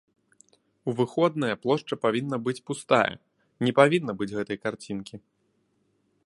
У выходныя плошча павінна быць пустая, не павінна быць гэтай карцінкі.